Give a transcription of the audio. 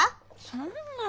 そんな。